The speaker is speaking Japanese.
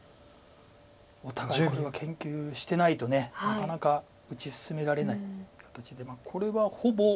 お互いこれは研究してないとなかなか打ち進められない形でこれはほぼ。